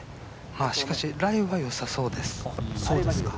しかし、ライはよそうです。